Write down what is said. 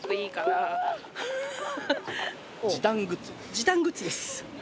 時短グッズです。